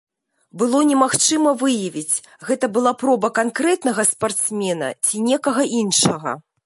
Было немагчыма выявіць, гэта была проба канкрэтнага спартсмена ці некага іншага.